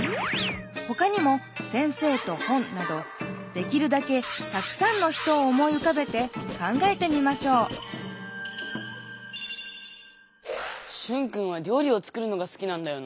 ほかにも「先生と本」などできるだけたくさんの人を思いうかべて考えてみましょうシュンくんはりょうりを作るのがすきなんだよなぁ。